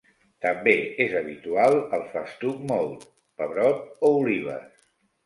També és habitual el festuc mòlt, pebrot o olives.